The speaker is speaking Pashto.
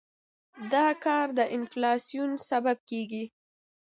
دا کار د انفلاسیون سبب کېږي.